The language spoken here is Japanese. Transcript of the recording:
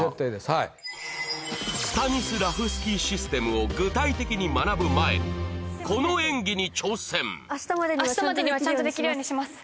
はいスタニスラフスキー・システムを具体的に学ぶ前にこの演技に挑戦明日までにはちゃんとできるようにします